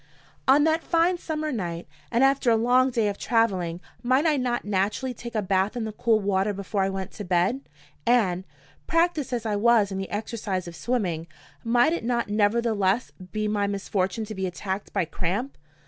On that fine summer night, and after a long day of traveling, might I not naturally take a bath in the cool water before I went to bed? And, practiced as I was in the exercise of swimming, might it not nevertheless be my misfortune to be attacked by cramp?